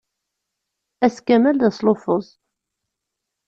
Ass kamel d asluffeẓ.